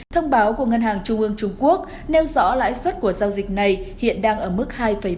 thông báo của ngân hàng trung ương trung quốc nêu rõ lãi suất của giao dịch này hiện đang ở mức hai bảy